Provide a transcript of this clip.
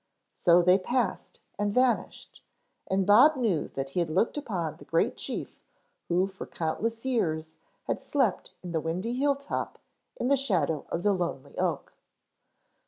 So they passed and vanished and Bob knew that he had looked upon the great chief who for countless years had slept in the windy hilltop in the shadow of the lonely oak.